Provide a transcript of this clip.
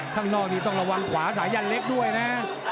ข้างนอกนี่ต้องระวังขวาสายันเล็กด้วยนะ